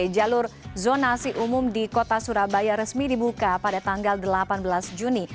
jalur zonasi umum di kota surabaya resmi dibuka pada tanggal delapan belas juni